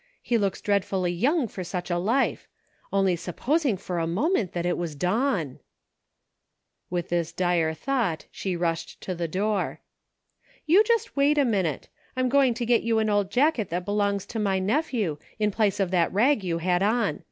He looks dreadfully young for such a life; only sup posing for a moment that it was Don !" With this dire thought, she rushed to the door : "You just wait a minute ; I'm going to get you an old jacket that belongs to my nephew, in place of that rag you had on.